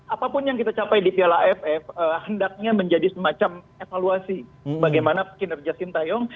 apapun yang kita capai di piala aff hendaknya menjadi semacam evaluasi bagaimana kinerja sintayong